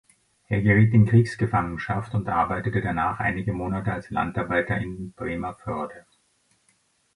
Er geriet in Kriegsgefangenschaft und arbeitete danach einige Monate als Landarbeiter in Bremervörde.